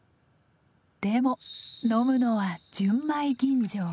でも飲むのは純米吟醸。